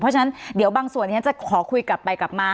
เพราะฉะนั้นเดี๋ยวบางส่วนที่ฉันจะขอคุยกลับไปกลับมา